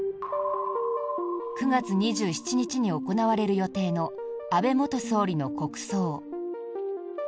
９月２７日に行われる予定の安倍元総理の国葬。